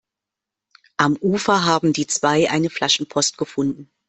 Am Ufer haben die zwei eine Flaschenpost gefunden.